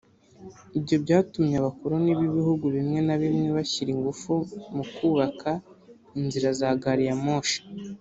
Ibyo byatumye abakoloni b’ibihugu bimwe na bimwe bashyira ingufu mu kubaka inzira za gari ya moshi